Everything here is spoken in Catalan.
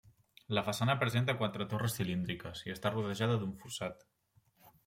La façana presenta quatre torres cilíndriques, i està rodejada d'un fossat.